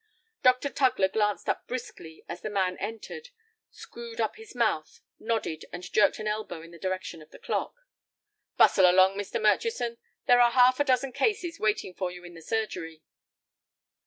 Dr. Tugler glanced up briskly as the big man entered, screwed up his mouth, nodded, and jerked an elbow in the direction of the clock. "Bustle along, Mr. Murchison. There are half a dozen cases waiting for you in the surgery."